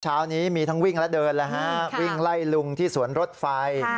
เช้านี้มีทั้งวิ่งและเดินแล้วฮะวิ่งไล่ลุงที่สวนรถไฟ